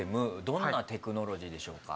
どんなテクノロジーでしょうか？